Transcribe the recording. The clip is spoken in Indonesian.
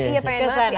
iya pengen banget sih